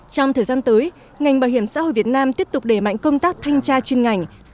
trong thời gian tới ngành bảo hiểm xã hội việt nam tiếp tục đẩy mạnh công tác thanh tra chuyên ngành